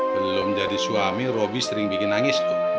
belum jadi suami robi sering bikin nangis lu